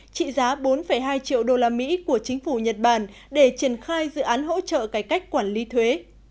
trị giá bốn hai triệu đô la mỹ của chính phủ nhật bản để triển khai dự án hỗ trợ cải cách quản lý thuế